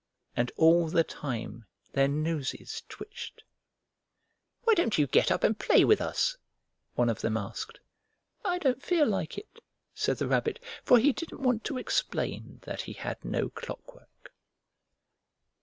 And all the time their noses twitched. "Why don't you get up and play with us?" one of them asked. "I don't feel like it," said the Rabbit, for he didn't want to explain that he had no clockwork.